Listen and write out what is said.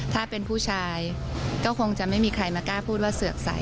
ถ้าเป็นผู้ชายก็คงจะไม่มีใครมากล้าพูดว่าเสือกใส